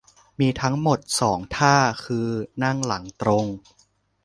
มีทั้งหมด สอง ท่า คือ นั่งหลังตรง